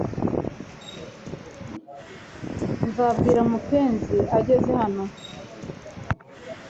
Nzabwira mupenzi ageze hano